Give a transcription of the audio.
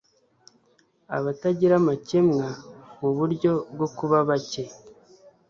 Abatagira amakemwa muburyo bwo kuba bake